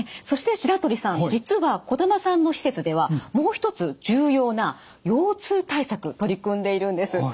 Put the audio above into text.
そして白鳥さん実は児玉さんの施設ではもう一つ重要な腰痛対策取り組んでいるんです。